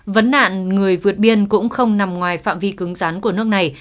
vấn nạn người vượt biên cũng không nằm ngoài phạm vi cứng rắn của nước này